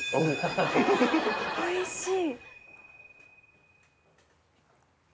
おいしい。